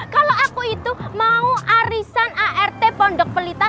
kalau aku itu mau arisan art pondok pelita